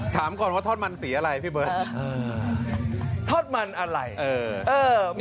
ถามก่อนว่าทอดมันสื่ออะไรทิบบครับ